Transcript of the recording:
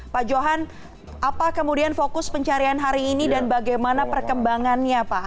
pak johan apa kemudian fokus pencarian hari ini dan bagaimana perkembangannya pak